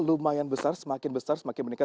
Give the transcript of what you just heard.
lumayan besar semakin besar semakin meningkat